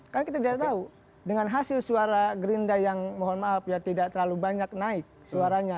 karena kita tidak tahu dengan hasil suara gerinda yang mohon maaf ya tidak terlalu banyak naik suaranya